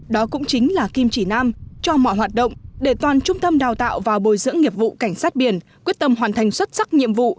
đó cũng chính là kim chỉ nam cho mọi hoạt động để toàn trung tâm đào tạo và bồi dưỡng nghiệp vụ cảnh sát biển quyết tâm hoàn thành xuất sắc nhiệm vụ